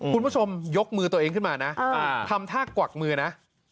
คุณผู้ชมยกมือตัวเองขึ้นมานะทำท่ากวักมือนะ